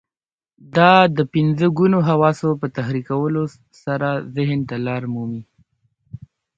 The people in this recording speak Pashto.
دا د پنځه ګونو حواسو په تحريکولو سره ذهن ته لار مومي.